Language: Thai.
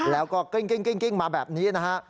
แล้วก็กลิ้งมาแบบนี้นะฮะ